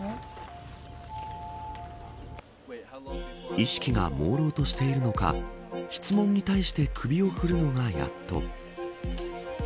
意識がもうろうとしているのか質問に対して首を振るのがやっと。